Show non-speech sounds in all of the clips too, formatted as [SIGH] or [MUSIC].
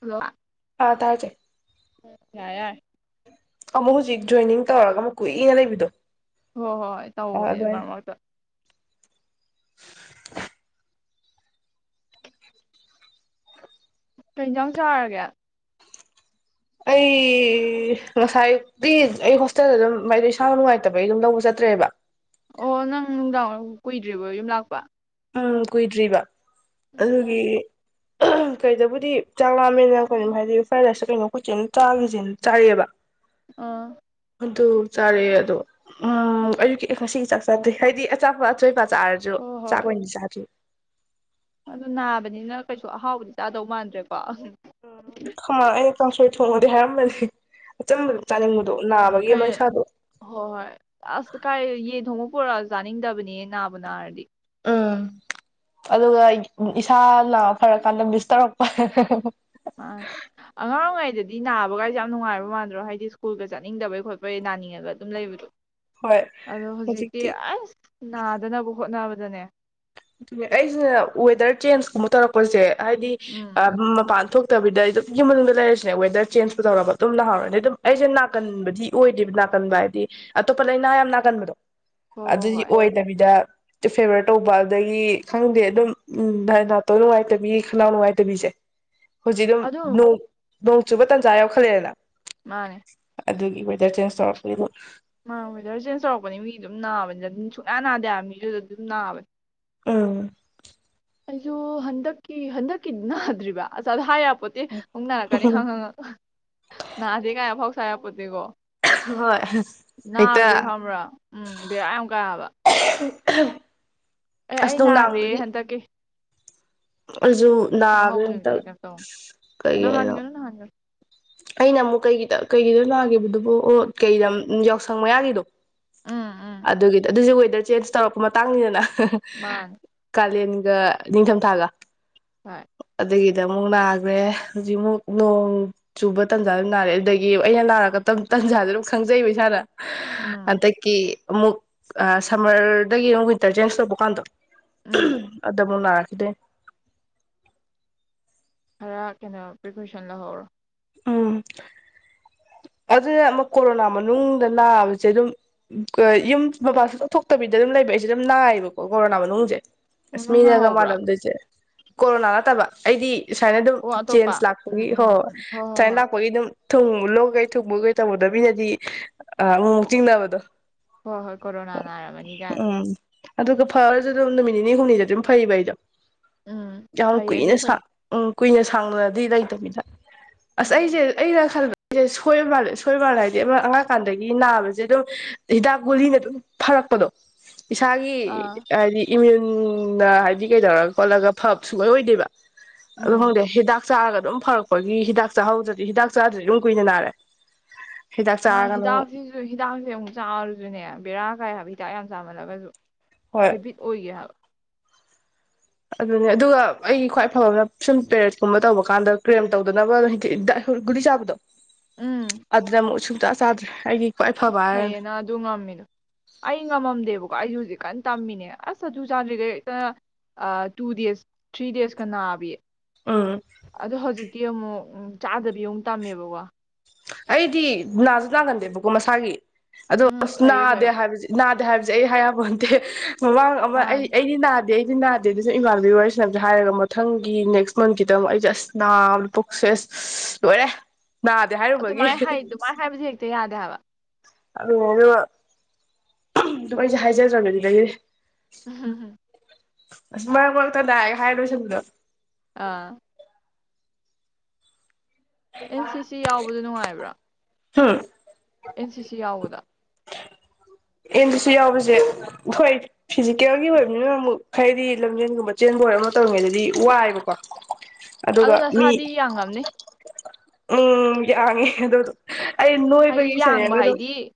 hello ꯄꯥ ꯇꯥꯔꯖꯦ ꯌꯥꯔꯦ ꯌꯥꯔꯦ ꯑꯃꯨꯛ ꯍꯧꯖꯤꯛ ꯖꯣꯏꯅꯤꯡ ꯇꯧꯔꯒ ꯑꯃꯨꯛ ꯀꯨꯏꯅ ꯂꯩꯕꯤꯗꯣ ꯍꯣꯏ ꯍꯣꯏ ꯑꯥ ꯇꯧꯒ꯭ꯔꯦ ꯑꯗꯨꯃꯥꯏꯅ ꯃꯔꯛ ꯃꯔꯛ ꯀꯩ ꯍꯤꯟꯖꯥꯡ ꯆꯥꯔꯒꯦ ꯑꯩ ꯉꯁꯥꯏ ꯑꯌꯨꯛꯇꯤ ꯑꯩ ꯍꯣꯁꯇꯦꯜꯗ ꯑꯗꯨꯝ ꯃꯩ ꯏꯁꯥꯒ ꯅꯨꯡꯉꯥꯏꯇꯕꯩ ꯑꯗꯨꯝ ꯂꯧꯕ ꯆꯠꯇ꯭ꯔꯦꯕ ꯑꯣ ꯅꯪ ꯅꯨꯡꯗꯥꯡ ꯋꯥꯏꯔꯝ ꯀꯨꯏꯗ꯭ꯔꯤꯕꯣ ꯌꯨꯝ ꯂꯥꯛꯄ ꯎꯝ ꯀꯨꯏꯗ꯭ꯔꯤꯕ ꯑꯗꯨꯒꯤ ꯀꯩꯗꯕꯨꯗꯤ ꯆꯥꯛꯂꯥꯝꯃꯦꯅ ꯀꯩꯅꯣ ꯍꯥꯏꯗꯤ ꯐ꯭ꯔꯥꯏꯗ ꯔꯥ꯭ꯏꯁꯂ ꯀꯩꯅꯣ ꯈꯣꯏ ꯆꯦꯅ ꯆꯥꯒꯤꯖꯦꯅ ꯆꯥꯔꯛꯑꯦꯕ ꯑꯥ ꯑꯗꯨ ꯆꯥꯔꯦ ꯑꯗꯣ ꯎꯝ ꯑꯌꯨꯛꯀꯤ ꯉꯁꯤ ꯆꯥꯛ ꯆꯥꯗꯦ ꯍꯥꯏꯗꯤ ꯑꯆꯥꯄꯣꯠ ꯑꯆꯣꯏꯄ ꯆꯥꯔꯖꯨ ꯍꯣꯏ ꯍꯣꯏ ꯆꯥꯛꯑꯣꯏꯅ ꯆꯥ ꯗꯔꯤ ꯑꯗꯨ ꯅꯥꯕꯅꯤꯅ ꯀꯩꯁꯨ ꯑꯍꯥꯎꯕꯗꯤ ꯆꯥꯗꯧ ꯃꯥꯟꯗ꯭ꯔꯦꯕ ꯎꯝ ꯈꯣ ꯑꯩ ꯀꯥꯡꯁꯣꯏ ꯊꯣꯡꯉꯣꯗꯤ ꯍꯥꯏꯔꯝꯕꯅꯤ ꯑꯆꯝꯕꯗ ꯆꯥꯅꯤꯡꯕ ꯀꯩ ꯍꯣ ꯍꯣꯏ ꯑꯁ ꯀꯥꯏ ꯌꯦꯟ ꯊꯣꯡꯕ ꯄꯨꯔꯛ ꯑꯖꯨ ꯆꯥꯅꯤꯡꯗꯕꯅꯤ ꯅꯥꯕꯨ ꯅꯥꯔꯗꯤ ꯎꯝ ꯑꯗꯨꯒ ꯏꯁꯥꯅ ꯐꯔꯀꯥꯟꯗ ꯃꯤꯁ ꯇꯧꯔꯛꯄ ꯑ ꯑꯉꯥꯡ ꯑꯣꯏꯔꯤꯉꯩꯗꯗꯤ ꯅꯥꯕꯒꯥꯏꯖꯦ ꯌꯥꯝ ꯅꯨꯡꯉꯥꯏꯕ ꯃꯥꯟꯗ꯭ꯔꯣ ꯍꯥꯏꯗꯤ ꯁ꯭ꯀꯨꯜꯒ ꯆꯠꯅꯤꯡꯗꯕꯩ ꯈꯣꯠꯄꯩ ꯅꯥꯅꯤꯡꯉꯒ ꯑꯗꯨꯝ ꯂꯩꯕꯗꯣ ꯍꯣꯏ ꯑꯗꯣ ꯍꯧꯖꯤꯛꯇꯤ ꯑꯁ ꯅꯥꯗꯅꯕ ꯍꯣꯠꯅꯕꯗ ꯑꯗꯨꯅꯦ ꯑꯗꯨꯅꯦ ꯑꯩꯖꯤꯅ ꯋꯦꯗꯔ ꯆ꯭ꯦꯟꯖꯀꯨꯝꯕ ꯇꯧꯔꯛꯄꯖꯦ ꯍꯥꯏꯗꯤ ꯎꯝ ꯃꯄꯥꯟ ꯊꯣꯛ ꯊꯣꯛꯇꯕꯤꯗ ꯑꯩ ꯑꯗꯨꯝ ꯌꯨꯝꯃꯅꯨꯡꯗ ꯂꯩꯔꯁꯨꯅꯦ ꯋꯦꯗꯔ ꯆꯦ꯭ꯟꯖꯄꯨ ꯇꯧꯔꯕ ꯑꯗꯨꯝ ꯅꯍꯧꯔꯅꯤ ꯑꯗꯨꯝ ꯑꯩꯁꯦ ꯅꯥꯒꯟꯕꯗꯤ ꯑꯣꯏꯗꯦꯕ ꯅꯥꯒꯟꯕ ꯍꯥꯏꯗꯤ ꯑꯇꯣꯞꯄ ꯂꯩꯥꯏꯅꯥ ꯌꯥꯝ ꯅꯥꯒꯟꯕꯗꯣ ꯍꯣꯏ ꯍꯣꯏ ꯑꯗꯨꯗꯤ ꯍꯣꯏ ꯑꯣꯏꯗꯕꯤꯗ ꯐꯦꯕꯔ ꯇꯧꯎꯕ ꯑꯗꯒꯤ ꯈꯪꯗꯦ ꯑꯗꯨꯝ ꯎꯝ ꯅꯥꯇꯣꯟ ꯅꯨꯡꯉꯥꯏꯇꯕꯤ ꯈꯅꯥꯎ ꯅꯨꯡꯉꯥꯏꯇꯕꯤꯖꯦ ꯍꯧꯖꯤꯛ ꯗꯨꯝ ꯑꯗꯨꯝ ꯅꯣꯛ ꯅꯣꯡꯆꯨꯕ ꯇꯟꯖꯥ ꯋꯥꯝ ꯈꯠꯂꯦꯗꯅ ꯃꯥꯅꯦ ꯑꯗꯨꯒꯤ ꯋꯦꯗꯔ ꯆꯦꯟꯖ ꯇꯧꯔꯛꯄꯒꯤ ꯃꯥ ꯁꯨꯛꯅꯥ ꯅꯥꯗꯦ ꯍꯥꯏꯕ ꯃꯤ ꯑꯗꯨ ꯑꯗꯨ ꯑꯗꯨꯝ ꯅꯥꯕꯅꯦ ꯎꯝ ꯑꯩꯖꯨ ꯍꯟꯗꯛꯀꯤ ꯍꯟꯗꯛꯀꯤ ꯅꯅꯥꯗ꯭ꯔꯤꯕ ꯑꯁ ꯑꯗꯨ ꯍꯥꯏ ꯄꯣꯠꯇꯦ ꯑꯃꯨꯛ ꯅꯥꯔꯛꯀꯅꯤ ꯍꯪꯍꯪꯍꯪ ꯅꯥꯗꯦ ꯀꯥꯏ ꯑꯐꯥꯎ ꯁꯥ ꯁꯥꯏ ꯌꯥꯄꯣꯠꯇꯦ ꯒꯣ ꯍꯣꯏ ꯅꯥꯕꯖꯦ ꯍꯦꯛꯇ ꯈꯪꯕ꯭ꯔꯥ ꯎꯝ ꯕꯦꯔꯥ ꯌꯥꯝ ꯀꯥꯕ ꯍꯥꯏꯕ [UNINTELLIGIBLE] ꯑꯦ ꯑꯩ ꯅꯥꯒ꯭ꯔꯦ ꯍꯟꯗꯛꯀꯤ ꯑꯩꯖꯨ ꯀꯥ ꯅꯥꯕꯗꯤ ꯍꯧꯕ ꯍꯟꯇꯛ ꯅꯨꯃꯤꯠꯇꯔ ꯀꯩꯅꯣꯝ ꯇꯧꯕꯅꯤ ꯀꯩ ꯍꯥꯏꯗꯣꯏꯅꯣ ꯅꯍꯥꯟꯒꯅꯨ ꯅꯍꯥꯟꯒꯅꯨ ꯑꯩꯅ ꯑꯃꯨꯛ ꯀꯩꯒꯤꯗ ꯀꯩꯒꯤꯗ ꯅꯥꯈꯤꯕꯗꯨꯕꯨ ꯑꯣ ꯀꯩꯗ ꯌꯥꯎꯁꯪ ꯃꯌꯥꯒꯤꯗꯣ ꯎꯝ ꯎꯝ ꯑꯗꯨꯒꯤꯗꯤ ꯑꯗꯨꯁꯨ ꯗ ꯆꯦꯟꯖ ꯇꯧꯔꯛꯄ ꯃꯇꯥꯡꯅꯤꯗꯅ ꯃꯥꯅꯤ ꯀꯂꯦꯟ ꯑ ꯅꯤꯡꯊꯝꯊꯥꯒ ꯍꯣꯏ ꯑꯗꯒꯤꯗ ꯑꯃꯨꯛ ꯅꯥꯈ꯭ꯔꯦ ꯍꯧꯖꯤꯛꯃꯨꯛ ꯅꯣꯡ ꯆꯨꯕ ꯇꯟꯖꯥ ꯑꯗꯨꯝ ꯅꯥꯔꯦ ꯑꯗꯨꯗꯒꯤ ꯑꯩꯅ ꯅꯥꯔꯒ ꯇꯟꯖꯥꯥꯁꯦ ꯑꯗꯨꯝ ꯈꯪꯖꯩꯕ ꯏꯁꯥꯅ ꯎꯝ ꯍꯟꯗꯛꯀꯤ ꯑꯃꯨꯛ ꯁꯝꯃꯔꯗꯒꯤ ꯑꯃꯨꯛ ꯋꯤꯟꯇꯔ ꯆꯦꯟꯁ ꯇꯧꯕ ꯀꯥꯟꯗꯣ ꯎꯝ ꯑꯗ ꯃꯨꯛꯅꯥ ꯗ ꯈꯔ ꯀꯩꯅꯣ ꯄ꯭ꯔꯤꯀꯣꯁꯟ ꯂꯧꯍꯧꯔꯣ ꯎꯝ ꯑꯗꯨꯗ ꯑꯃꯨꯛ ꯀꯣꯔꯣꯅꯥ ꯃꯅꯨꯡꯗ ꯅꯥꯕꯁꯦ ꯑꯗꯨꯝ ꯌꯨꯝ ꯃꯄꯥꯟ ꯁꯨꯊꯣꯛ ꯊꯣꯛꯇꯕꯤꯗ ꯑꯗꯨꯝ ꯂꯩꯕ ꯑꯩꯁꯦ ꯑꯗꯨꯝ ꯅꯥꯏꯌꯦꯕꯀꯣ ꯀꯣꯔꯣꯅꯥ ꯃꯅꯨꯡꯁꯦ ꯑꯣ ꯑꯁ ꯅꯪ ꯃꯤꯅꯒ ꯅꯥꯍꯧꯕ꯭ꯔꯥ ꯃꯥꯂꯝ ꯗꯣꯏꯁꯦ ꯀꯣꯔꯣꯅꯥ ꯅꯠꯇꯕ ꯑꯩꯗꯤ ꯁꯨꯃꯥꯏꯅ ꯑꯗꯨꯝ ꯑꯣ ꯑꯇꯣꯞꯄ ꯆꯦꯟꯖ ꯎꯝ ꯂꯥꯛꯄꯒꯤ ꯍꯣ ꯎꯝ ꯎꯝ ꯍꯣꯏ ꯍꯣꯏ ꯇ꯭ꯔꯥꯏꯦꯟ ꯂꯥꯛꯄꯒꯤ ꯑꯗꯨꯝ ꯊꯨꯡ ꯂꯣꯛ ꯀꯩ ꯊꯨꯡꯕ ꯀꯩ ꯇꯧꯕꯗꯣ ꯃꯤꯅꯗꯤ ꯑ ꯑꯃꯨꯛꯃꯨꯛ ꯆꯤꯡꯅꯕꯗꯣ ꯍꯣꯏ ꯍꯣꯏ ꯀꯣꯔꯣꯅꯥ ꯅꯥꯔꯝꯃꯅꯤ ꯀꯥꯏꯅ ꯎꯝ ꯑꯗꯨꯒ ꯐꯔꯁꯨ ꯑꯗꯨꯝ ꯅꯨꯃꯤꯠ ꯅꯤꯅꯤ ꯍꯨꯝꯅꯤꯗ ꯑꯗꯨꯝ ꯐꯩꯕ ꯑꯩꯗꯣ ꯎꯝ ꯌꯥꯝ ꯐꯩ ꯑꯗꯨ ꯀꯨꯏꯅ ꯁꯥ ꯐꯩ ꯎꯝ ꯀꯨꯏꯅ ꯁꯥꯡꯅꯅꯗꯤ ꯂꯩꯇꯕꯤꯗ ꯑꯁ ꯑꯩꯁꯦ ꯑꯩꯩꯅ ꯈꯜꯕ ꯑꯩꯁꯦ ꯁꯣꯏꯕ ꯃꯥꯂꯦ ꯁꯣꯏꯕ ꯃꯥꯜꯂꯦ ꯍꯥꯏꯗꯤ ꯑꯃ ꯑꯉꯥꯡꯀꯥꯟꯗꯒꯤ ꯅꯥꯕꯁꯦ ꯑꯗꯨꯝ ꯍꯤꯗꯥꯛ ꯒꯨꯂꯤꯅ ꯑꯗꯨꯝ ꯐꯔꯛꯄꯗꯣ ꯏꯁꯥꯒꯤ ꯑꯥ ꯍꯥꯏꯗꯤ ꯏꯃ꯭ꯌꯨꯟꯅ ꯍꯥꯏꯕꯗꯤ ꯀꯩꯗꯧꯔꯒ ꯈꯣꯠꯂꯒ ꯐꯕ ꯁꯨꯡꯑꯣꯏ ꯑꯣꯏꯗꯦꯕ ꯑꯗꯨ ꯎꯝ ꯈꯪꯗꯦ ꯍꯤꯗꯥꯛ ꯆꯥꯔꯒ ꯑꯗꯨꯝ ꯐꯔꯛꯄꯒꯤ ꯍꯤꯗꯥꯛ ꯆꯥꯍꯧꯗ꯭ꯔꯗꯤ ꯍꯤꯗꯥꯛ ꯆꯥꯗ꯭ꯔꯗꯤ ꯑꯗꯨꯝ ꯀꯨꯏꯅ ꯅꯥꯔꯦ ꯍꯤꯗꯥꯛ ꯃꯥ ꯆꯥꯔꯒꯅ ꯍꯤꯗꯥꯛꯁꯤꯁꯨ ꯍꯤꯗꯥꯛꯁꯦ ꯑꯃꯨꯛ ꯆꯥꯔꯨꯁꯨꯅꯦ ꯕꯦꯔꯥ ꯀꯥꯏ ꯍꯤꯗꯥꯛ ꯌꯥꯝ ꯆꯥꯃꯜꯂꯒꯁꯨ ꯍꯣꯏ ꯍꯦꯕꯤꯠ ꯑꯣꯏꯒꯤ ꯍꯥꯏꯕ ꯑꯗꯨꯅꯦ ꯑꯗꯨꯒ ꯑꯩꯒꯤ ꯈ꯭ꯋꯥꯏ ꯐꯕꯅ ꯁꯨꯝ ꯄꯦꯔꯦꯠꯀꯨꯝꯕ ꯇꯧꯕ ꯀꯥꯟꯗ ꯀ꯭ꯔꯦꯝ ꯇꯧꯗꯅꯕ ꯒꯨꯂꯤ ꯆꯥꯕꯗꯣ ꯑꯗ꯭ꯔꯝꯃꯨꯛ ꯆ ꯆꯥꯗ꯭ꯔꯦ ꯑꯩꯗꯤ ꯑꯣꯁ ꯐꯩꯌꯦꯅ ꯑꯗꯨ ꯉꯝꯃꯤꯗꯣ ꯑꯩ ꯉꯝꯃꯝꯗꯦꯕꯀꯣ ꯑꯩꯁꯨ ꯍꯧꯖꯤꯛ ꯀꯟꯅ ꯇꯝꯃꯤꯅꯦ ꯑꯁ ꯑꯗꯨ ꯆꯥꯗ꯭ꯔꯤꯈꯩ ꯍꯦꯛꯇ ꯇꯨ ꯗꯦꯖ ꯊ꯭ꯔꯤ ꯗꯦꯖꯀ ꯅꯥꯕꯤ ꯎꯝ ꯑꯗꯣ ꯍꯧꯖꯤꯛ ꯇꯤ ꯑꯃꯨꯛ ꯆꯥꯗꯕꯤ ꯑꯃꯨꯛ ꯇꯝꯃꯦꯕꯀꯣ ꯑꯩꯗꯤ ꯅꯥꯁꯨ ꯅꯥꯒꯟꯗꯦꯕꯀꯣ ꯃꯁꯥꯒꯤ ꯑꯗꯣ ꯎꯝ ꯑꯁ ꯐꯩꯌꯦ ꯅꯥꯗꯦ ꯐꯩꯌꯦ ꯍꯥꯏꯕꯁꯤ ꯅꯥꯗꯦ ꯍꯥꯏꯕꯁꯦ ꯑꯩ ꯍꯥꯏꯌꯥꯄꯣꯟꯇꯦ ꯑꯉꯥꯡ ꯑꯃ ꯑꯩ ꯃꯥꯅꯦ ꯑꯩꯗꯤ ꯅꯥ ꯗꯤ ꯑꯩꯗꯤ ꯅꯥꯗꯦ ꯑꯗꯨ ꯁꯨꯝ ꯏꯃꯥꯟꯕꯤꯒꯤ ꯋꯥꯔꯤꯁꯅꯕꯗꯁꯨ ꯍꯥꯏꯔꯒ ꯃꯊꯪꯒꯤ ꯅꯦꯛꯁ ꯃꯟꯠꯀꯤꯗ ꯑꯩꯁꯦ ꯑꯁ ꯅꯥꯕ ꯄꯣꯛꯁꯦ ꯂꯣꯏꯔꯦ ꯅꯥ ꯑꯗꯨꯃꯥꯏꯅ ꯍꯥꯏ ꯑꯗꯨꯃꯥꯏꯅ ꯍꯥꯏꯕꯁꯤ ꯍꯦꯛꯇ ꯌꯥꯗꯦ ꯍꯥꯏꯕ ꯑꯗꯨꯃꯥꯏꯅ ꯑꯗꯨ ꯑꯩꯁꯦ ꯍꯥꯏꯖꯗ꯭ꯔꯕꯅꯦ ꯑꯗꯨꯗꯩꯒꯤ ꯍꯝ ꯑꯁ ꯃꯔꯛ ꯃꯔꯛꯇ ꯅꯥꯏ ꯍꯥꯏꯔ ꯂꯣꯏꯁꯟꯕꯗꯣ ꯑꯥ ꯑꯦꯟ ꯁꯤꯁꯤ ꯌꯥꯎꯕꯗꯨ ꯅꯨꯡꯉꯥꯏꯕ꯭ꯔꯥ ꯍꯥꯥ ꯑꯦꯟ ꯁꯤ ꯁꯤ ꯌꯥꯎꯕꯗ ꯑꯦꯟ ꯁꯤ ꯁꯤ ꯌꯥꯎꯕꯁꯦ ꯍꯣꯏ ꯐꯤꯖꯤꯀꯦꯜꯒꯤ ꯑꯣꯏꯕꯅꯤꯅ ꯑꯃꯨꯛ ꯍꯥꯏꯗꯤ ꯂꯝꯖꯦꯟꯒꯨꯝꯕ ꯆꯦꯟꯕ ꯑꯣꯏꯔ ꯑꯃ ꯇꯧꯔꯤꯉꯩꯗꯗꯤ ꯋꯥꯏꯌꯦꯕꯀꯣ ꯑꯗꯨ ꯅꯁꯥꯗꯤ ꯌꯥꯝꯉꯝꯅꯤ ꯎꯝ ꯌꯥꯡꯉꯦ ꯑꯗꯨ ꯑꯩ ꯍꯥꯏꯗꯤ ꯅꯣꯏꯕꯒꯤꯁꯅꯦ ꯌꯥꯡꯕ ꯑꯗꯨꯝ ꯍꯥꯏꯗꯤ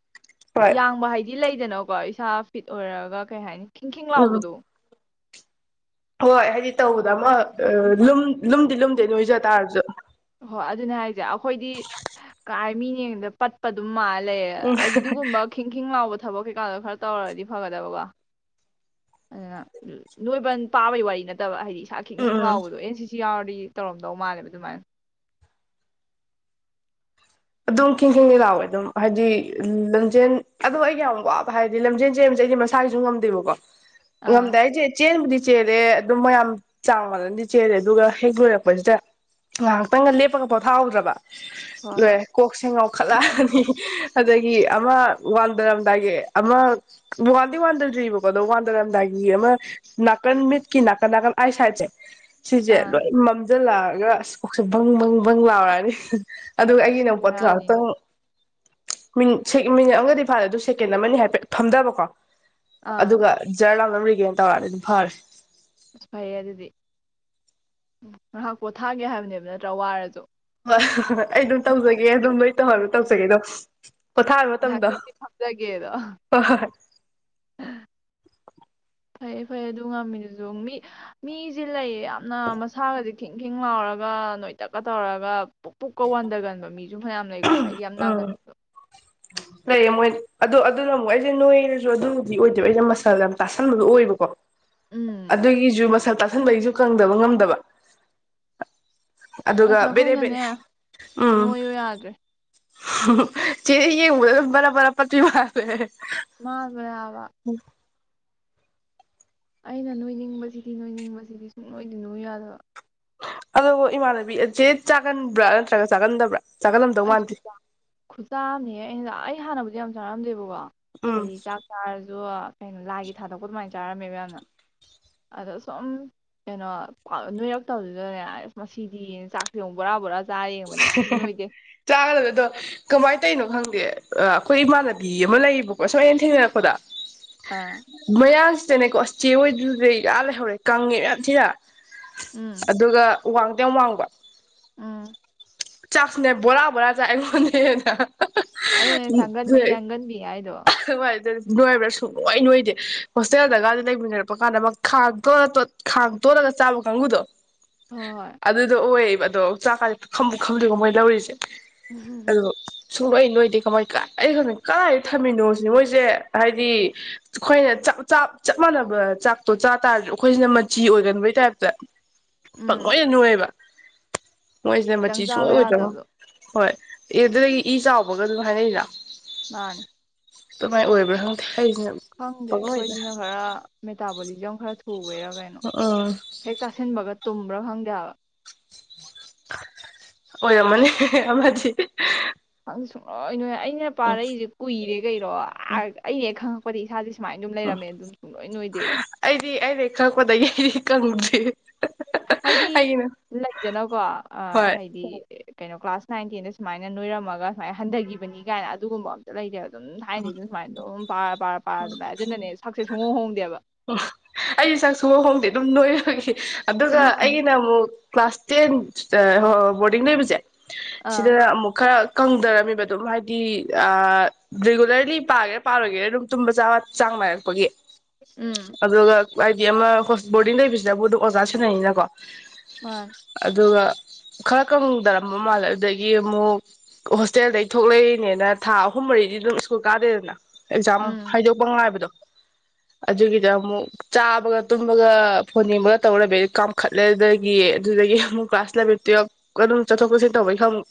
ꯍꯣꯏ ꯌꯥꯡꯕ ꯍꯥꯏꯗꯤ ꯂꯩꯗꯅꯥ ꯀꯣ ꯏꯁꯥ ꯐꯤꯠ ꯑꯣꯏꯔꯒ ꯀꯩ ꯍꯥꯏꯅꯤ ꯈꯤꯡꯈꯤꯡ ꯎꯝ ꯂꯥꯎꯕꯗꯣ ꯍꯣꯏ ꯍꯥꯏꯗꯤ ꯇꯧꯕꯗ ꯑꯃ ꯂꯨꯝꯗꯤ ꯂꯨꯝꯗꯦ ꯅꯣꯏꯖ ꯇꯥꯔꯁꯨ ꯍꯣꯏ ꯑꯗꯨꯅꯦ ꯍꯥꯏꯁꯦ ꯑꯩꯈꯣꯏꯗꯤ ꯀꯥꯏ ꯃꯤꯅꯗ ꯌꯦꯡꯕꯗ ꯄꯠꯄ ꯑꯗꯨꯝ ꯃꯥꯜꯂꯦ ꯂꯩ ꯎꯝ ꯑꯩꯗꯤ ꯑꯗꯨꯒꯨꯝꯕ ꯈꯤꯡꯈꯤꯡ ꯂꯥꯎꯕꯗꯣ ꯊꯕꯛ ꯀꯩꯀꯥꯗꯣ ꯈꯔ ꯇꯧꯔꯗꯤ ꯐꯒꯗꯕꯀꯣ ꯑꯗꯨꯅ ꯅꯣꯏꯕ ꯄꯥꯕꯩ ꯋꯥꯔꯤ ꯅꯠꯇꯕ ꯍꯥꯏꯗꯤ ꯏꯁꯥ ꯎꯝ ꯈꯤꯡꯈꯤꯡ ꯎꯝ ꯂꯥꯎꯕꯗꯣ ꯑꯦꯟ ꯁꯤ ꯁꯤ ꯌꯥꯎꯔ ꯇꯧꯔꯝꯗꯧ ꯃꯥꯜꯂꯦꯕ ꯑꯗꯨꯃꯥꯏꯅ ꯑꯗꯨꯝ ꯈꯤꯡꯈꯤꯡ ꯂꯥꯎꯋꯦ ꯑꯗꯨꯝ ꯍꯥꯏꯗꯤ ꯂꯝꯖꯦꯟ ꯑꯗꯣ ꯑꯩꯒꯤ ꯌꯥꯝ ꯋꯥꯕ ꯍꯥꯏꯗꯤ ꯂꯝꯖꯦꯟ ꯆꯦꯟꯕꯁꯦ ꯑꯩꯗꯤ ꯃꯁꯥꯒꯤꯁꯨ ꯉꯝꯗꯦꯕꯀꯣ ꯑꯥ ꯉꯝꯗꯦ ꯍꯥꯏꯖꯦ ꯆꯦꯟꯕꯨꯗꯤ ꯆꯦꯜꯦ ꯑꯗꯨꯝ ꯃꯌꯥꯝ ꯆꯥꯡ ꯃꯥꯟꯅꯗꯤ ꯆꯦꯜꯂꯦ ꯑꯗꯨꯒ ꯍꯦꯛ ꯂꯣꯏꯔꯛꯄꯁꯤꯗ ꯉꯥꯏꯍꯥꯛꯇꯪꯒ ꯂꯦꯞꯄꯒ ꯄꯣꯊꯥꯍꯧꯗ꯭ꯔꯕ ꯍꯣꯏ ꯍꯣꯏ ꯀꯣꯛꯆꯦ ꯉꯥꯎꯈꯠꯂꯛꯑꯅꯤ ꯑꯗꯒꯤ ꯑꯃ ꯋꯥꯟꯗꯔꯝꯗꯥꯏꯒꯤ ꯑꯃ ꯋꯥꯟꯗꯤ ꯋꯥꯟꯗꯗ꯭ꯔꯤꯔꯤꯕꯕꯀꯣ ꯑꯗꯣ ꯋꯥꯟꯗꯔꯝꯗꯥꯏꯒꯤ ꯑꯃ ꯅꯥꯀꯟ ꯃꯤꯠꯀꯤ ꯅꯥꯀꯟ ꯅꯥꯀꯟ ꯑꯥꯏ ꯁꯥꯏꯠꯁꯦ ꯁꯤꯁꯦ ꯑꯥ ꯂꯣꯏ ꯃꯝꯁꯤꯜꯂꯛꯑꯒ ꯑꯁ ꯀꯣꯛꯁꯦ ꯕꯪ ꯕꯪ ꯕꯪ ꯂꯥꯎꯔꯛꯑꯅꯤ ꯑꯗꯨꯒ ꯑꯁ ꯑꯩꯒꯤꯅ ꯃꯨ [UNINTELLIGIBLE] ꯃꯤ ꯕꯦꯔꯥꯅꯤꯅꯦ ꯃꯤꯅꯤꯠ ꯑꯃꯒꯗꯤ ꯐꯥꯔꯦ ꯑꯗꯨ ꯁꯦꯀꯦꯟ ꯑꯃꯅꯤ ꯍꯥꯏꯐꯦꯠ ꯐꯝꯗꯕꯀꯣ ꯑꯥ ꯑꯗꯨꯒ ꯖꯔ ꯂꯥꯎꯅ ꯔꯤꯒꯦꯟ ꯇꯧꯔꯦ ꯑꯗꯨꯝ ꯐꯔꯦ ꯑꯁ ꯐꯩꯌꯦ ꯑꯗꯨꯗꯤ ꯉꯥꯏꯍꯥꯛ ꯄꯣꯊꯥꯒꯦ ꯍꯥꯏꯕꯅꯦꯕ ꯅꯠꯇ꯭ꯔꯥ ꯋꯥꯔꯁꯨ ꯍ ꯍꯥ ꯍꯥ ꯑꯩ ꯑꯗꯨꯝ ꯇꯧꯖꯒꯦ ꯑꯗꯨꯝ ꯃꯣꯏ ꯇꯧꯍꯜꯂꯣ ꯇꯧꯖꯒꯦ ꯑꯗꯨꯝ ꯄꯣꯊꯥꯕ ꯃꯇꯝꯗꯣ ꯉꯥꯏꯍꯥꯛꯇꯪꯗꯤ ꯐꯝꯖꯒꯦꯗꯣ ꯍꯣꯏ ꯍꯣꯏ ꯍꯣꯏ [INAUDIBLE] ꯐꯩꯌꯦ ꯐꯩꯌꯦ ꯑꯗꯨ ꯉꯝꯃꯤꯗꯨꯁꯨ ꯃꯤ ꯃꯤꯁꯦ ꯂꯩꯌꯦ ꯌꯥꯝꯅ ꯃꯁꯥꯒꯁꯦ ꯈꯤꯡꯈꯤꯡ ꯂꯥꯎꯔꯒ ꯅꯣꯏꯇꯛꯀ ꯇꯧꯔꯒ ꯄꯨꯛ ꯄꯨꯛꯀ ꯋꯥꯟꯊꯒꯟꯕ ꯃꯤꯁꯨ ꯃꯌꯥꯝ ꯂꯩꯀꯣ ꯍꯥꯏꯗꯤ ꯌꯥꯝ ꯎꯝ ꯅꯥꯒꯟꯕꯗꯣ ꯂꯩꯌꯦ ꯃꯣꯏ ꯑꯗꯨꯗꯣ ꯑꯗꯨꯅ ꯑꯃꯨꯛ ꯑꯩꯁꯦ ꯅꯣꯏꯅꯁꯨ ꯑꯗꯨꯕꯨꯗꯤ ꯑꯣꯏꯗꯣꯏꯕ ꯑꯩꯁꯦ ꯃꯁꯜ ꯌꯥꯝ ꯇꯥꯁꯟꯕꯗꯨꯣ ꯑꯣꯏꯕꯀꯣ ꯎꯝ ꯑꯗꯨꯒꯤꯁꯨꯨ ꯃꯁꯥꯜ ꯇꯥ ꯑꯁꯦꯡꯕꯩꯁꯨ ꯀꯪꯗꯕ ꯉꯝꯗꯕ ꯑꯗꯨꯒ ꯕꯦꯔꯦ ꯕꯦꯔꯦ ꯅꯣꯎ ꯌꯥꯗ꯭ꯔꯦ ꯍꯨ ꯍꯨ ꯆꯦ ꯌꯦꯡꯕꯗ ꯑꯗꯨꯝ ꯕꯔꯥꯕꯔꯥ ꯄꯠꯄꯤ ꯃꯜꯂꯦ ꯍꯦꯍꯦ ꯃꯥꯟꯕꯅꯦ ꯍꯥꯏꯕ ꯑꯩꯅ ꯅꯣꯏꯅꯤꯡꯕꯁꯤꯗꯤ ꯅꯣꯏꯅꯤꯡꯕꯁꯤꯗꯤ ꯁꯨꯡꯅꯣꯏꯗꯤ ꯅꯣꯢꯌꯨ ꯌꯥꯗꯕ ꯑꯗꯨ ꯏꯃꯥꯟꯅꯕꯤ ꯆꯦ ꯆꯥꯒꯟꯕ꯭ꯔꯥ ꯅꯠꯇ꯭ꯔꯒ ꯆꯥꯒꯟꯗꯕ꯭ꯔꯥ ꯆꯥꯒꯜꯂꯝꯗꯧ ꯑꯁ ꯃꯥꯟꯗꯦ ꯈꯨꯆꯥ ꯑꯝꯅꯤꯍꯦ ꯑꯩꯅ ꯑꯩ ꯑꯩ ꯍꯥꯟꯅꯕꯨꯗꯤ ꯌꯥꯝ ꯆꯥꯔꯝꯗꯦꯕꯀꯣ ꯎꯝ ꯑꯩ ꯆꯥꯛ ꯆꯥꯔꯁꯨ ꯀꯩꯅꯣ ꯂꯥꯏꯒꯤ ꯊꯥꯗꯣꯛꯄ ꯑꯗꯨꯃꯥꯏꯅ ꯆꯥꯔꯝꯃꯦ ꯃꯌꯥꯝꯅ ꯑꯗꯣ ꯁꯨꯝ ꯀꯩꯅꯣ ꯅꯣꯏꯔꯛꯇꯕꯗꯨꯗꯅꯦ ꯑꯁ ꯃꯁꯤꯗꯤ ꯆꯥꯛꯁꯦ ꯑꯃꯨꯛ ꯕꯣꯔꯥ ꯕꯣꯔꯥ ꯆꯥꯏ ꯌꯦꯡꯕꯅꯦ ꯑꯗꯨꯁꯨ ꯅꯣꯏꯗꯦ ꯆꯥꯒꯗꯕ ꯑꯗꯣ ꯀꯃꯥꯏꯅ ꯇꯧꯔꯤꯅꯣ ꯈꯪꯗꯦ ꯑꯩꯈꯣꯏ ꯏꯃꯥꯟꯅꯕꯤ ꯑꯃ ꯂꯩꯌꯦꯕꯀꯣ ꯁꯨꯝ ꯑꯩꯅ ꯊꯦꯡꯅꯔꯛꯄꯗ ꯑꯥ ꯃꯌꯥꯡ ꯅꯦꯀꯣ ꯑꯁ ꯆꯦ ꯍꯣꯏꯗꯨ ꯗꯩ ꯑꯥ ꯂꯩꯍꯧꯔꯦ ꯀꯪꯉꯦꯕ ꯌꯥꯝ ꯊꯤꯅ ꯎꯝ ꯑꯗꯨꯒ ꯋꯥꯡꯗꯤ ꯌꯥꯝ ꯋꯥꯡꯕ ꯎꯝ ꯆꯥꯛꯁꯨꯅꯦ ꯕꯣꯔꯥ ꯕꯣꯔꯥ ꯆꯥꯏ ꯑꯩꯉꯣꯟꯗꯒꯤ ꯍꯦꯟꯅ ꯍꯥ ꯑꯗꯨꯅꯦ ꯆꯥꯒꯟꯕꯤ ꯌꯥꯡꯒꯟꯕꯤ ꯍꯥꯏꯗꯣ ꯑꯍ ꯋꯥꯏꯔꯨꯗꯣꯏꯅꯤ ꯅꯣꯏꯕ꯭ꯔꯥ ꯁꯨꯡꯅꯣꯏ ꯅꯣꯏꯗꯦ ꯍꯣꯁꯇꯦꯜꯗꯒ ꯂꯩꯃꯤꯟꯅꯔꯛꯄ ꯀꯥꯟꯗ ꯃꯥ ꯈꯥꯡ ꯇꯣꯠꯂ ꯇꯣꯠ ꯈꯥꯡ ꯇꯣꯠꯂꯒ ꯆꯥꯕ ꯀꯥꯡꯕꯨꯨꯗꯣ ꯍꯣꯏ ꯍꯣꯏ ꯑꯗꯨꯗꯣ ꯑꯣꯏ ꯑꯗꯣ ꯆꯥꯛ ꯀꯥꯖꯦ ꯄꯨꯈꯝ ꯄꯨꯈꯝꯗꯒ ꯃꯣꯏ ꯂꯧꯔꯤꯁꯦ ꯎ ꯍꯨꯝ ꯍꯨꯝ ꯁꯨꯡꯅꯣꯏ ꯅꯣꯏꯗ ꯀꯃꯥꯏ ꯀꯥꯏ ꯑꯩꯒꯅꯦ ꯀꯥꯏ ꯊꯝꯃꯤꯅꯣ ꯖꯤꯅꯦ ꯃꯣꯏꯖꯦ ꯍꯥꯏꯗꯤ ꯑꯩꯈꯣꯏꯅ ꯆꯥꯛ ꯆꯥꯞ ꯆꯞ ꯃꯥꯟꯅꯕ ꯆꯥꯛꯇꯣ ꯆꯥ ꯇꯥꯔꯁꯨ ꯑꯩꯈꯣꯏꯁꯤꯅ ꯃꯆꯤ ꯑꯣꯏꯒꯟꯕꯒꯤ ꯇꯥꯏꯞꯇ ꯎꯝ ꯄꯪꯅꯣꯏꯗ ꯅꯣꯏꯌꯦꯕ ꯅꯣꯏꯖꯤꯅ ꯈꯤꯇꯪ ꯃꯆꯤ ꯆꯥꯕ ꯁꯨꯡꯑꯣꯏ ꯑꯣꯏꯗ꯭ꯔꯕꯣ ꯌꯥꯗꯕꯗꯣ ꯍꯣꯏ ꯑꯦ ꯑꯗꯨꯗꯒꯤ ꯏ ꯆꯥꯎꯕꯒꯁꯨ ꯍꯥꯏꯅꯩꯅ ꯃꯥꯅꯦ ꯀꯃꯥꯏ ꯑꯣꯏꯕ꯭ꯔꯥ ꯈꯪꯗꯦ ꯑꯩꯁꯤꯅ ꯈꯪꯗꯦ ꯄꯪꯅꯣꯏꯗ ꯑꯩꯈꯣꯏꯁꯤꯅ ꯈꯔ ꯝꯤ ꯇꯕꯣꯂꯤꯖꯝ ꯈꯔ ꯊꯨ ꯕꯩꯔ ꯀꯩꯅꯣ ꯎꯝ ꯍꯦꯛ ꯆꯥꯁꯤꯟꯕꯒ ꯇꯨꯝꯕ꯭ꯔ ꯈꯪꯗꯦ ꯍꯥꯏꯕ ꯑꯣꯏꯔꯝꯃꯅꯤ ꯍꯦ ꯍꯦ ꯑꯃꯗꯤ ꯅꯪ ꯁꯨꯡꯅꯣꯏ ꯅꯣꯏ ꯌꯥ ꯑꯩꯅ ꯎꯝ ꯄꯥꯔꯛꯏꯁꯦ ꯀꯨꯏꯔꯦ ꯀꯩꯔꯣ ꯑ ꯎꯝ ꯑꯩꯅ ꯍꯦꯛ ꯈꯪꯉ ꯄꯗꯩ ꯏꯁꯥꯖꯤ ꯁꯨꯃꯥꯏꯅ ꯑꯗꯨꯝ ꯎꯝ ꯂꯩꯔꯝꯃꯦ ꯑꯗꯨꯝ ꯁꯨꯡꯅꯣꯏ ꯅꯣꯏꯗꯦ ꯑꯩ ꯈꯪꯉꯛꯄꯗꯩ ꯀꯪꯗ꯭ꯔꯤ ꯍꯥꯏꯗꯤ ꯑꯩꯒꯤꯅ ꯂꯩꯗꯅꯀꯣ ꯑ ꯍꯣꯏ ꯍꯥꯏꯗꯤ ꯀꯩꯅꯣ ꯀ꯭ꯂꯥꯁ ꯅꯥꯏꯟ ꯇꯦꯟꯗ ꯁꯨꯃꯥꯏꯅ ꯅꯣꯏꯔꯝꯃꯒ ꯁꯨꯃꯥꯏꯅ ꯍꯟꯊꯒꯤꯕꯅꯤ ꯀꯥꯏꯅ ꯑꯗꯨꯒꯨꯝꯕ ꯑꯝꯇ ꯂꯩꯇꯦꯕ ꯗꯨꯝ ꯊꯥꯏꯅꯗꯒꯤ ꯁꯨꯃꯥꯏꯅ ꯑꯗꯨꯝ ꯄꯥꯔ ꯄꯥꯔ ꯄꯥꯔ ꯑꯗꯨꯝ ꯂꯥꯛꯑꯦ ꯑꯗꯨꯅꯦ ꯁꯛ ꯁꯦ ꯁꯨꯡꯍꯣꯡ ꯍꯣꯡꯗꯦꯕ ꯑꯩꯁꯦ ꯁꯛ ꯁꯨꯍꯣꯡ ꯍꯣꯡꯗꯦ ꯑꯗꯨꯝ ꯅꯣꯏꯔꯕꯒꯤ ꯑꯗꯨꯒ ꯑꯩꯒꯤꯅ ꯑꯃꯨꯛ ꯀ꯭ꯂꯥꯁ ꯇꯦꯟ ꯑ ꯑꯔ ꯕꯣꯔꯗꯤꯡ ꯂꯩꯕꯖꯦ ꯁꯤꯗ ꯑꯥ ꯑꯃꯨꯛ ꯈꯛ ꯀꯪꯗꯔꯝꯃꯤꯕ ꯑꯗꯨꯝ ꯍꯥꯏꯗꯤ ꯑ ꯔꯤꯒꯨꯂꯔꯂꯤ ꯄꯥꯒꯦꯔꯥ ꯄꯥꯔꯣꯏꯒꯦꯔꯥ ꯑꯗꯨꯝ ꯇꯨꯝꯕ ꯆꯥꯕ ꯆꯥꯡ ꯅꯥꯏꯔꯛꯄꯒꯤ ꯎꯝ ꯑꯗꯨꯒ ꯍꯥꯏꯗꯤ ꯑꯃ ꯕꯣꯔꯗꯤꯡ ꯂꯩꯕꯁꯤꯗꯕꯨ ꯑꯗꯨꯝ ꯑꯣꯖꯥ ꯁꯦꯟꯅꯩꯅꯀꯣ ꯃꯥꯅꯦ ꯑꯗꯨꯒ ꯈꯔ ꯀꯪꯗꯔꯝꯕ ꯃꯥꯜꯂꯦ ꯑꯗꯨꯗꯒꯤ ꯑꯃꯨꯛ ꯍꯣꯁꯇꯦꯜꯗꯒꯤ ꯊꯣꯛꯂꯛꯏꯅꯦꯅ ꯊꯥ ꯑꯍꯨꯝ ꯃꯔꯤꯗꯤ ꯑꯗꯨꯝ ꯁ꯭ꯀꯨꯜ ꯀꯥꯗꯦꯗꯅ ꯑꯦꯛꯖꯥꯝ ꯎꯝ ꯍꯥꯏꯗꯣꯛꯄ ꯉꯥꯏꯕꯗꯣ ꯑꯗꯨꯒꯤꯗ ꯑꯃꯨꯛ ꯆꯥꯕꯒ ꯇꯨꯝꯕꯒ ꯐꯣꯟ ꯌꯦꯡꯕꯒ ꯇꯧꯔ ꯂꯩꯕꯩ ꯀꯥꯝꯈꯠꯂꯦꯗꯒꯤ ꯑꯗꯒꯤ ꯑꯗꯨꯗꯒꯤ ꯃꯨꯛ ꯀ꯭ꯂꯥꯁ ꯏꯜꯂꯚꯦꯜ ꯇꯨꯋꯦꯜꯐ ꯑꯗꯨꯝ ꯆꯠꯊꯣꯛ ꯆꯁꯤꯟ ꯇꯧꯕꯒꯤ ꯈ ꯃꯨꯛ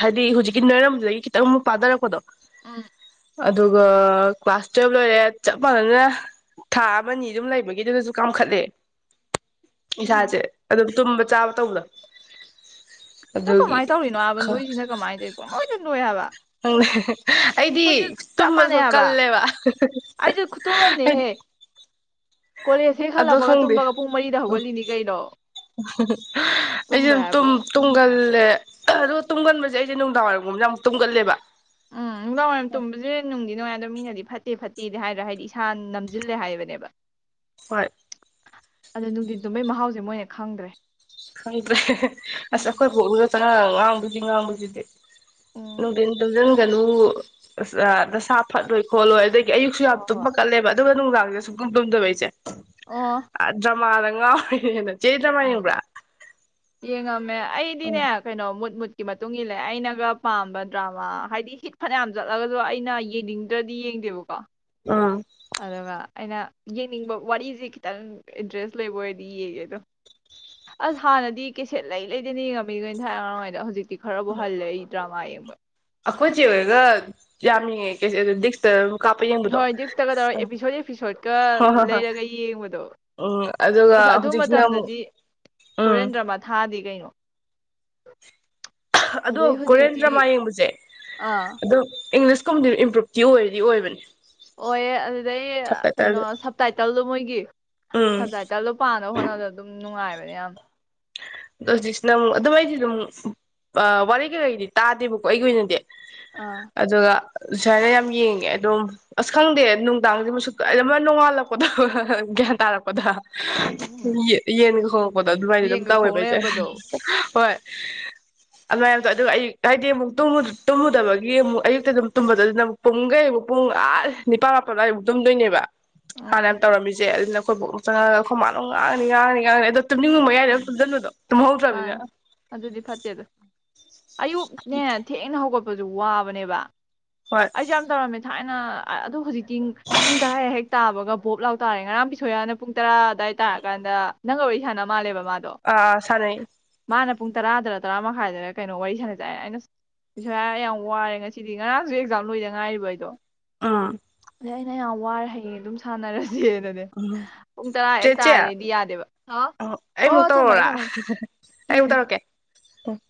ꯍꯥꯏꯗꯤ ꯍꯧꯖꯤꯛꯀꯤ ꯅꯣꯔꯝꯕꯗꯒꯤ ꯈꯤꯇꯪ ꯑꯃꯨꯛ ꯄꯗꯔꯛꯄꯗꯣ ꯎꯝ ꯑꯗꯨꯒ ꯀ꯭ꯂꯥꯁ ꯇꯨꯋꯦꯜꯕ ꯂꯣꯏꯔꯦ ꯆꯞ ꯃꯥꯟꯅꯅ ꯊꯥ ꯑꯃꯅꯤ ꯌꯨꯝ ꯂꯩꯕꯒꯤꯗꯨꯗꯁꯨ ꯀꯥꯝꯈꯠꯂꯤ ꯎꯝ ꯏꯁꯥꯁꯦ ꯑꯗꯨꯝ ꯇꯨꯝꯕ ꯆꯥꯕ ꯇꯧꯕꯗꯣ ꯑꯗꯣ ꯑꯗꯨꯒꯤ ꯀꯃꯥꯏ ꯇꯧꯔꯤꯅꯣ ꯍꯥꯏꯕ ꯈꯔ ꯅꯣꯏꯁꯤꯅ ꯀꯃꯥꯏꯅ ꯇꯧꯔꯤꯅꯣ ꯄꯪ ꯅꯣꯏꯗ ꯅꯣꯏ ꯍꯥꯏꯕ ꯑꯥ ꯍ ꯍ ꯍ [INAUDIBLE] ꯑꯩꯗꯤ ꯑꯩꯈꯣꯏꯁꯨ ꯆꯞ ꯇꯨꯝꯕꯁꯨ ꯃꯥꯟꯅꯩ ꯍꯥꯏꯕ ꯀꯜꯂꯦꯕ ꯍꯥꯏ ꯑ ꯑꯩꯁꯨ ꯈꯨꯇꯨꯝ ꯍ ꯍꯍꯄꯄꯄ ꯑꯃꯅꯦꯍꯦ ꯀꯣꯂꯦꯖ ꯍꯦꯛ ꯍꯜꯂꯛꯄꯒ ꯇꯨꯝꯕꯒ ꯄꯨꯡ ꯃꯔꯤꯗ ꯍꯧꯒꯠꯂꯤꯅꯤ ꯀꯩꯅꯣ ꯎꯪꯍꯦ ꯍꯧ ꯑꯩꯁꯨ ꯇꯨꯝꯕ ꯑꯗꯨꯝ ꯇꯨꯝ ꯍꯥꯏꯕꯨ ꯇꯨꯝꯒꯜ ꯑ ꯇꯨꯝꯒꯟꯕꯁꯦ ꯑꯩꯁꯦ ꯅꯨꯡꯗꯥꯡꯋꯥꯏꯔꯝꯒꯨꯝꯕꯁꯦ ꯌꯥꯝ ꯇꯨꯝꯒꯜꯂꯦꯕ ꯎꯝ ꯅꯨꯡꯗꯥꯡ ꯋꯥꯏꯔꯝ ꯇꯨꯝꯕꯁꯦ ꯅꯨꯡꯗꯤ ꯅꯨꯡꯉꯥꯏꯗꯣ ꯃꯤꯅꯗꯤ ꯐꯠꯇꯦ ꯐꯠꯇꯦ ꯐꯠꯇꯦꯗꯤ ꯍꯥꯏꯗ꯭ꯔꯥ ꯍꯥꯏꯗꯤ ꯏꯁꯥ ꯅꯝꯖꯤꯜꯂꯤ ꯍꯥꯏꯕꯅꯦꯕ ꯍꯣꯏ ꯑꯗꯣ ꯅꯨꯡꯗꯤꯟ ꯇꯨꯝꯕꯩ ꯃꯍꯥꯎꯁꯦ ꯃꯣꯏꯅ ꯈꯪꯗ꯭ꯔꯦ ꯈꯪꯗ꯭ꯔꯦ ꯍꯦ ꯍꯦ ꯑꯁ ꯈꯣꯏ ꯕꯣꯛꯅꯒ ꯉꯥꯡꯕꯁꯤ ꯉꯥꯡꯕꯁꯤꯗꯤ ꯎꯝ ꯅꯨꯡꯊꯤꯟ ꯇꯨꯡꯁꯤꯟꯒꯅꯨ ꯑꯁ ꯑꯥ ꯅꯁꯥ ꯗꯥꯥ ꯐꯠꯂꯣꯏ ꯈꯣꯠꯂꯣꯏ ꯑꯗꯩ ꯑꯌꯨꯛꯁꯨ ꯌꯥꯝ ꯍꯣꯏ ꯇꯨꯝꯕ ꯍꯣꯏ ꯀꯠꯂꯦꯕ ꯑꯗꯨꯒ ꯅꯨꯡꯗꯥ ꯗꯅ ꯁꯨꯛꯇꯨꯝ ꯇꯨꯝꯗꯕ ꯑꯩꯁꯦ ꯑꯣ ꯃꯥ ꯗ ꯉꯥꯎꯔꯤꯅꯦꯅ ꯆꯦꯗꯤ ꯗ꯭ꯔꯃꯥ ꯌꯦꯡꯕ꯭ꯔꯥ ꯌꯦꯉꯝꯃꯦ ꯎꯝ ꯑꯩꯗꯤꯅꯦ ꯀꯩꯅꯣ ꯃꯨꯠ ꯃꯨꯠ ꯀꯤ ꯃꯇꯨꯡ ꯏꯜꯂꯦ ꯑꯩꯅꯒ ꯄꯥꯝꯕ ꯗ꯭ꯔꯃꯥ ꯍꯥꯏꯗꯤ ꯍꯤꯠ ꯐꯅꯌꯥꯝ ꯆꯠꯂꯒꯁꯨ ꯑꯩꯅ ꯌꯦꯡꯅꯤꯡꯗ꯭ꯔꯗꯤ ꯌꯦꯡꯗꯦꯕꯀꯣ ꯑꯥ ꯑꯗꯨꯒ ꯑꯩꯅ ꯌꯦꯡꯅꯤꯡꯕ ꯋꯥꯔꯤꯁꯦ ꯈꯤꯇꯪ ꯏꯟꯇꯔꯦꯁ ꯂꯩꯕ ꯑꯣꯏꯔꯗꯤ ꯌꯦꯡꯉꯦ ꯑꯗꯣ ꯑꯁ ꯍꯥꯟꯅꯗꯤ ꯀꯦꯁꯦꯠ ꯂꯩ ꯂꯩꯗꯅ ꯌꯦꯡꯉꯝꯃꯤ ꯈꯣꯏꯅ ꯊꯥꯢꯅ ꯑꯉꯥꯡ ꯑꯣꯢꯔꯤꯉꯩꯗ ꯍꯧꯖꯤꯛꯇꯤ ꯈꯔꯕꯨ ꯍꯜꯂꯦ ꯑꯩ ꯗ꯭ꯔꯃꯥ ꯌꯦꯡꯕ ꯈꯣꯏꯆꯦ ꯍꯣꯏꯒ ꯌꯥꯝ ꯌꯦꯉꯝꯃꯦ ꯗꯤꯛꯁꯦꯇ ꯍꯣꯏ ꯗꯤꯛꯁꯇꯒ ꯇꯧꯔ ꯑꯦꯄꯤꯁꯣꯠ ꯑꯦꯄꯤꯁꯣꯠꯀ ꯍꯣꯏ ꯍꯣꯏ ꯍꯣꯏ ꯂꯩꯔꯒ ꯌꯦꯡꯕꯗꯣ ꯎꯝ ꯑꯗꯨꯒ ꯑꯁ ꯑꯗꯨ ꯍꯧꯖꯤꯛꯁꯤꯅ ꯑꯃꯨꯛ ꯃꯇꯝꯗꯗꯤ ꯎꯝ ꯀꯣꯔꯤꯌꯟ ꯗ꯭ꯔꯃ ꯊꯥꯗꯤ ꯀꯩꯅꯣ ꯑꯗꯣ ꯑꯗꯩ ꯀꯣꯔꯤꯌꯟ ꯍꯧꯖꯤꯛꯇꯤ ꯗ꯭ꯔꯃꯥ ꯌꯦꯡꯕꯁꯦ ꯑꯥ ꯑꯗꯨ ꯏꯪꯂꯤꯁ ꯀꯨꯝ ꯏꯝꯄ꯭ꯔꯨꯞꯚꯇꯤ ꯑꯣꯏꯗꯤ ꯑꯣꯏꯕꯅꯦ ꯑꯣꯏꯌꯦ ꯑꯗꯨꯗꯩ ꯀꯩꯅꯣ ꯁꯞꯇꯥꯏꯇꯜꯗ ꯁꯞꯇꯥꯏꯇꯜꯗꯣ ꯃꯣꯏꯒꯤ ꯎꯝ ꯁꯞꯇꯥꯏꯇꯜꯗꯣ ꯄꯥꯅꯕ ꯍꯣꯠꯅꯕꯗ ꯑꯗꯨꯝ ꯅꯨꯡꯉꯥꯏ ꯐꯅꯌꯥꯝ ꯑꯗꯣ ꯍꯧꯖꯤꯛꯁꯤꯅ ꯑꯃꯨꯛ ꯑꯗꯣ ꯑꯩꯗꯤ ꯑꯗꯨꯝ ꯑꯥ ꯋꯥꯔꯤ ꯀꯩꯀꯩꯗꯤ ꯇꯥꯗꯦꯕꯀꯣ ꯑꯩꯒꯤ ꯑꯣꯏꯅꯗꯤ ꯑꯥ ꯑꯗꯨꯒ ꯁꯥꯏꯅ ꯌꯥꯝ ꯌꯦꯡꯉꯦ ꯑꯗꯨꯝ ꯑꯁ ꯈꯪꯗꯦ ꯅꯨꯡꯗꯥꯡꯁꯦ ꯁꯨꯛ ꯀꯥ ꯑꯃ ꯅꯣꯡꯉꯥꯜꯂꯛꯄꯗꯣ ꯒ꯭ꯌꯥꯟ ꯇꯥꯔꯛꯄꯗ ꯌꯦ ꯌꯦꯟ ꯈꯣꯡꯉꯛꯄꯗꯣ ꯑꯗꯨꯃꯥꯏꯅ ꯑꯗꯨꯝ ꯌꯦꯡꯒ ꯑꯣꯏꯕ ꯈꯣꯡ ꯑꯩꯁꯦ ꯂꯩꯔꯝꯕꯗꯣ [INAUDIBLE] ꯍꯣꯏ ꯑꯗꯨꯃꯥꯏꯅ ꯇꯧ ꯑꯗꯨꯒ ꯑꯩ ꯍꯥꯏꯗꯤ ꯃꯨꯛ ꯇꯨꯝꯃꯨꯗꯕꯒꯤ ꯃꯨꯛ ꯑꯌꯨꯛꯇ ꯑꯗꯨꯝ ꯇꯨꯝꯕꯗꯣ ꯑꯗꯨꯅ ꯑꯃꯨꯛ ꯄꯨꯝꯒꯩ ꯑꯃꯨꯛ ꯄꯨꯡ ꯑꯥ ꯅꯤꯄꯥꯜ ꯃꯥꯄꯜ ꯑꯗ꯭ꯋꯥꯏ ꯑꯃꯨꯛ ꯇꯨꯝꯗꯣꯏꯅꯦꯕ ꯍꯥꯟꯅ ꯎꯝ ꯌꯥꯝ ꯇꯧꯔꯝꯃꯤꯁꯦ ꯑꯗꯨ ꯑꯩꯈꯣꯏꯕꯣꯛꯅ ꯆꯪꯉꯛꯑꯒ ꯈꯣꯏ ꯃꯥꯅ ꯑꯃꯨꯛ ꯉꯥꯡꯉꯅꯤ ꯉꯥꯡꯉꯅꯤ ꯉꯥꯡꯉꯅꯤ ꯑꯗꯨꯝ ꯇꯨꯝꯅꯤꯡꯕꯩ ꯃꯌꯥꯏꯅ ꯗꯨꯝ ꯇꯨꯝꯖꯟꯕꯗꯣ ꯇꯨꯝꯍꯧꯗ꯭ꯔꯝꯅꯤꯅ ꯃꯥꯅꯦ ꯑꯗꯨꯗꯤ ꯐꯠꯇꯦꯗ ꯑꯌꯨꯛꯅꯦ ꯊꯦꯡꯅ ꯍꯧꯒ ꯋꯥꯕꯅꯦꯕ ꯍꯣꯏ ꯑꯩꯖꯨ ꯌꯥꯝ ꯇꯧꯔꯝꯃꯦ ꯊꯥꯏ ꯉ ꯑꯗꯣ ꯍꯧꯖꯤꯛꯇꯤ ꯄꯨꯡ ꯇꯔꯥ ꯍꯦꯛ ꯇꯥꯕꯒ ꯚꯣꯞ ꯂꯥꯎ ꯇꯥꯔꯦ ꯉꯔꯥꯡ ꯕꯤꯁꯣꯌꯥꯅ ꯄꯨꯡ ꯇꯔꯥ ꯑꯗꯥꯢ ꯇꯥꯔꯀꯥꯟꯗ ꯅꯪꯒ ꯋꯥꯔꯤ ꯁꯥꯟꯅ ꯃꯥꯜꯂꯦꯕ ꯃꯥꯗꯣ ꯑꯥ ꯁꯥꯅꯩ ꯃꯥꯅ ꯄꯨꯡ ꯇꯔꯥꯗꯔ ꯇꯔꯥ ꯃꯈꯥꯏꯗꯔ ꯀꯩꯅꯣ ꯋꯥꯔꯤ ꯁꯥꯟꯅꯁꯦ ꯍꯥꯏꯔꯦ ꯑꯩꯅ ꯚꯤꯁꯣꯌꯥ ꯑꯩ ꯌꯥꯝ ꯋꯥꯔꯦ ꯉꯁꯤꯗꯤ ꯉꯔꯥꯡꯁꯨ ꯑꯦꯛꯖꯥꯝ ꯂꯣꯏꯗ ꯉꯥꯏꯔꯤꯕ ꯑꯩꯗꯣ ꯑꯥ ꯑꯗꯩ ꯑꯩꯅ ꯌꯥꯝ ꯋꯥꯔꯦ ꯍꯌꯦꯡ ꯑꯗꯨꯝ ꯁꯥꯟꯅꯔ ꯖꯦꯗꯅꯦ ꯎꯝ ꯄꯨꯡ ꯇꯔꯥ ꯆꯦ ꯍꯦꯛ ꯆꯦ ꯇꯥꯔꯗꯤ ꯑꯩꯗꯤ ꯌꯥꯗꯦꯕ ꯍꯥꯎ ꯑꯣ ꯑꯩꯃꯨꯛ ꯊꯝꯃꯒꯦ ꯇꯧꯔꯛꯑꯣꯔꯥ ꯊꯝꯃꯒꯦ ꯑꯣ [INAUDIBLE]